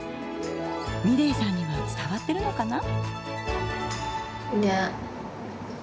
美礼さんには伝わってるのかな。